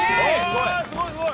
すごい！